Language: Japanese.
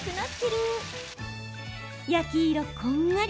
焼き色こんがり。